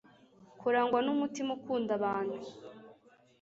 kurangwa n'umutima ukunda abantu